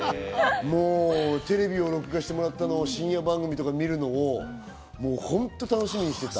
テレビを録画してもらったのを深夜番組とかを見るのを本当に楽しみにしてた。